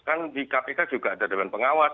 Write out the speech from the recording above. kan di kpk juga ada dewan pengawas